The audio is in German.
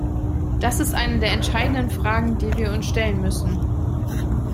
Das ist eine der entscheidenden Fragen, die wir uns stellen müssen.